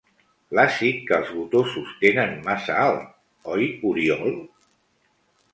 L'àcid que els gotosos tenen massa alt, oi Oriol?